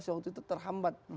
waktu itu terhambat